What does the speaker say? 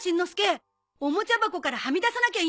おもちゃ箱からはみ出さなきゃいいんだろ？